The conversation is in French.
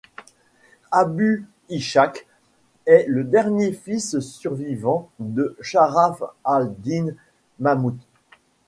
Abu Ishaq est le dernier fils survivant de Charaf ad-Dîn Mahmud.